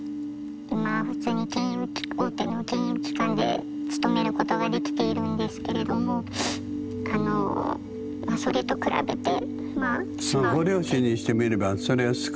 今普通に大手の金融機関で勤めることができているんですけれどもそれと比べて。